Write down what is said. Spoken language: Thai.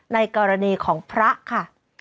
ในกรณีของพระค่ะ